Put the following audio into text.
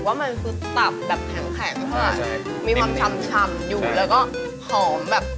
นี่คือลิ้นครับ